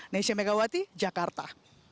nancy megawati jakarta